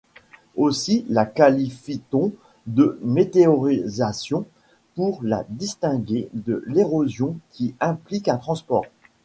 Aussi la qualifïe-t-on de météorisation, pour la distinguer de l'érosion qui implique un transport.